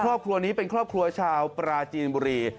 ครอบครัวนี้เป็นครอบครัวชาวปราจีนบุรี